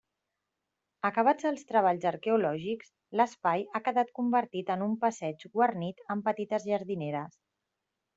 Acabats els treballs arqueològics l'espai ha quedat convertit en un passeig guarnit amb petites jardineres.